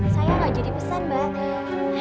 saya nggak jadi pesan mbak